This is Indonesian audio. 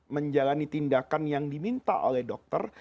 menjalani tindakan yang diminta oleh dokter